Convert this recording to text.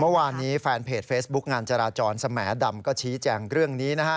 เมื่อวานนี้แฟนเพจเฟซบุ๊คงานจราจรสแหมดำก็ชี้แจงเรื่องนี้นะฮะ